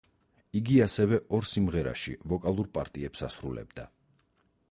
იგი ასევე ორ სიმღერაში ვოკალურ პარტიებს ასრულებდა.